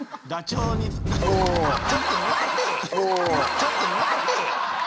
「ちょっと待てぃ‼」